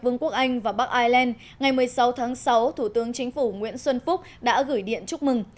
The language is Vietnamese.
vương quốc anh và bắc ireland ngày một mươi sáu tháng sáu thủ tướng chính phủ nguyễn xuân phúc đã gửi điện chúc mừng